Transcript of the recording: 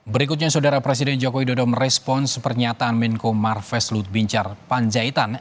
berikutnya saudara presiden jokowi dodo merespons pernyataan menko marves lutbincar panjaitan